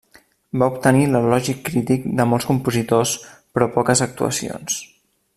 Va obtenir l'elogi crític de molts compositors però poques actuacions.